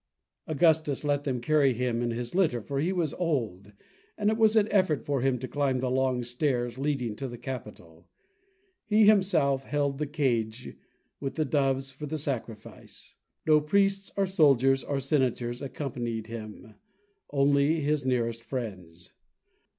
Augustus let them carry him in his litter, for he was old, and it was an effort for him to climb the long stairs leading to the Capitol. He himself held the cage with the doves for the sacrifice. No priests or soldiers or senators accompanied him, only his nearest friends.